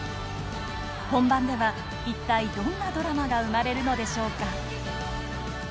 本番では、一体どんなドラマが生まれるのでしょうか。